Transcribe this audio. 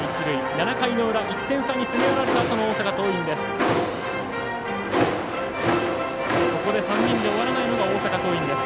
７回の裏、１点差に詰め寄られたあとの大阪桐蔭です。